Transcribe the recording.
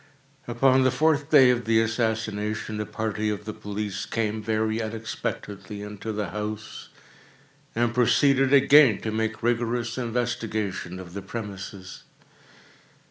Upon the fourth day of the assassination, a party of the police came, very unexpectedly, into the house, and proceeded again to make rigorous investigation of the premises.